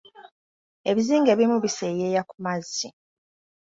Ebizinga ebimu biseeyeeya ku mazzi.